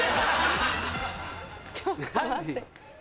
ちょっと待って。